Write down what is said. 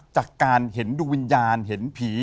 จากการเห็นดวงวิญญาณเห็นผี